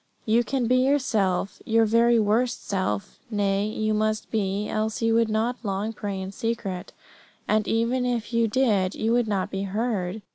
You can be yourself, your very worst self; nay, you must be, else you will not long pray in secret, and even if you did you would not be heard.